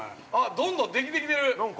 どんどんできてきてる。